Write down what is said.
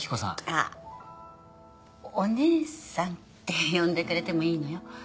あっお姉さんって呼んでくれてもいいのよ。